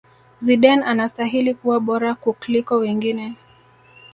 Zidane anastahili kuwa bora kukliko wengine